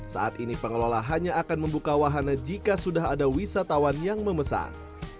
saat ini pengelola hanya akan membuka wahana jika sudah ada wisatawan yang memesan